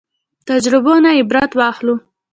تجربو نه عبرت واخلو